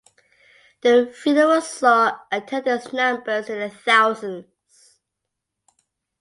The funeral saw attendance numbers in the thousands.